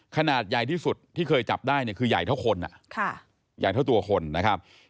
ขนาดใหญ่ที่สุดที่เคยจับได้เนี่ยคือใหญ่เท่าคนใหญ่เท่าตัวคนนะครับ